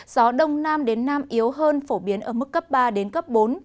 gió đông nam đến nam yếu hơn phổ biến ở mức cấp ba đến cấp bốn